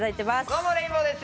どうもレインボーです。